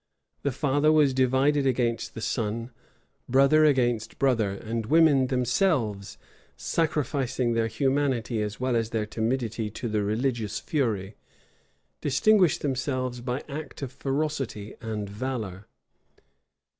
The father was divided against the son; brother against brother; and women themselves, sacrificing their humanity as well as their timidity to the religious fury, distinguished themselves by acts of ferocity and valor.